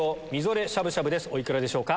お幾らでしょうか？